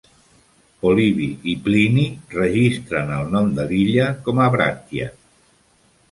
Polibi i Plini registren el nom de l'illa com a "Brattia".